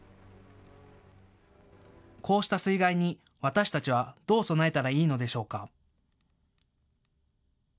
こうした水害に私たちはどう備えたらいいのでしょうか。